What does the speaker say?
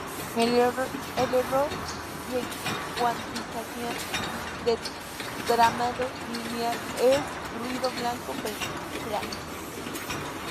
El error de cuantización de tramado lineal es ruido blanco, plano.